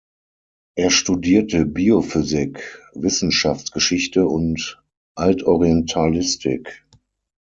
Er studierte Biophysik, Wissenschaftsgeschichte und Altorientalistik.